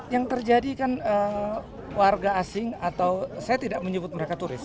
yang terjadi kan warga asing atau saya tidak menyebut mereka turis